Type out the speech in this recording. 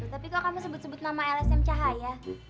tapi kok kamu sebut sebut nama lsm cahaya